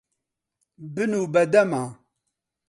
بنوو بە دەما.